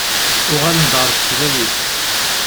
Uɣalen-d ɣer tesdawit.